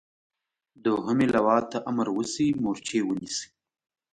دوهمې لواء ته امر وشي مورچې ونیسي.